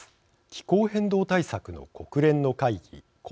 気候変動対策の国連の会議